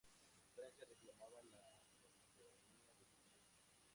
Francia reclamaba la soberanía de dicha isla.